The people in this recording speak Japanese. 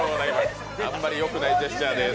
あんまりよくないジェスチャーです。